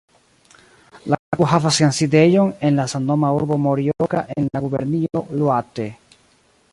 La klubo havas sian sidejon en la samnoma urbo Morioka en la gubernio Iŭate.